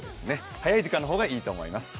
早い時間の方がいいと思います。